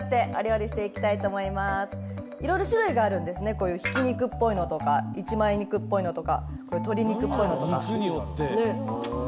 こういうひき肉っぽいのとか一枚肉っぽいのとか鶏肉っぽいのとか。